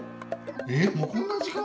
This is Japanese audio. えっ、もうこんな時間？